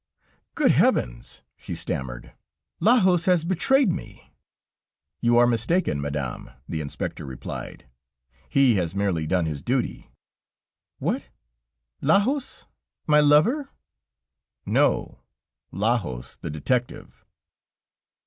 "Good heavens!" she stammered, "Lajos has betrayed me." "You are mistaken, Madame," the Inspector replied; "he has merely done his duty." "What? Lajos ... my lover?" "No, Lajos, the detective."